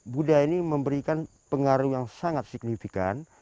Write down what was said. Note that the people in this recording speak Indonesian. budaya ini memberikan pengaruh yang sangat signifikan